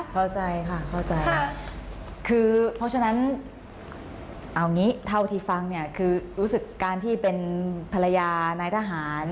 เข้าใจค่ะเข้าใจคือเพราะฉะนั้นเอางี้เท่าที่ฟังเนี่ยคือรู้สึกการที่เป็นภรรยานายทหาร